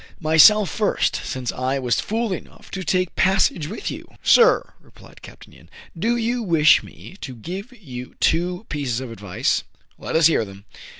— myself first, since I was fool enough to take passage with you !" Sir,'* replied Capt. Yin, "do you wish me to give you two pieces of advice ?'*" Let us hear them."